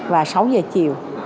và sáu giờ chiều